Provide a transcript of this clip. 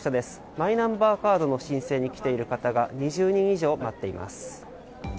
マイナンバーカードの申請に来ている方が２０人以上待っています。